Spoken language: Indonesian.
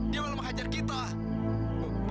dia malah menghajar kita